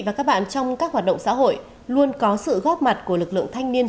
và các bạn trong các hoạt động xã hội luôn có sự góp mặt của lực lượng thanh niên